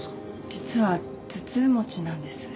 実は頭痛持ちなんです。